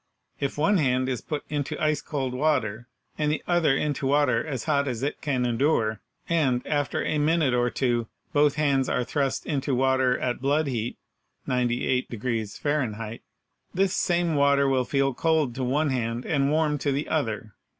If one hand is put into ice cold water and the other into water as hot as it can endure, and after a minute or two both hands are thrust into water at blood heat (98 F.), this same water will feel cold to one hand and warm to the other.